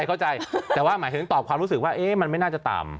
เข้าใจแต่ว่าหมายถึงตอบความรู้สึกว่ามันไม่น่าจะต่ำ